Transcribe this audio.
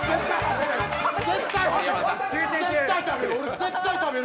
絶対、食べる。